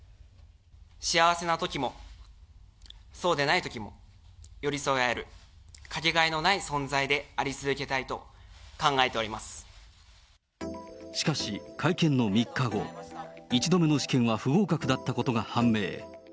幸せなときも、そうでないときも寄り添い合える掛けがえのない存在であり続けたしかし、会見の３日後、１度目の試験は不合格だったことが判明。